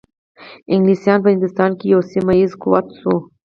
انګلیسان په هندوستان کې یو سیمه ایز قوت شو.